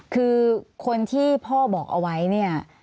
คือคนที่พ่อบอกเอาไว้เนี่ย